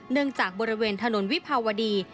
เนื่องจากบริเวณถนนวิภาวดี